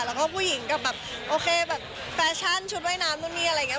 แล้วก็ผู้หญิงก็แบบโอเคแบบแฟชั่นชุดว่ายน้ำนู่นนี่อะไรอย่างนี้